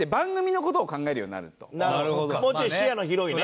もうちょい視野の広いね。